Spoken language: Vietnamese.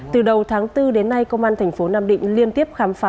từ đầu tháng bốn đến nay công an tp nam định liên tiếp khám phá